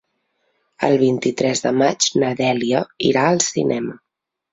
El vint-i-tres de maig na Dèlia irà al cinema.